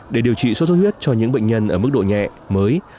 để điều trị sốt xuất huyết cho những bệnh nhân ở mức độ nhẹ mới